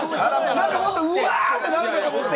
なんかもっと、うわー！ってなるかと思って。